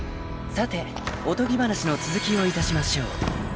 ［さておとぎ話の続きをいたしましょう］